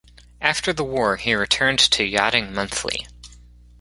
After the war he returned to "Yachting Monthly".